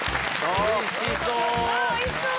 おいしそう！